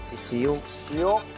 塩。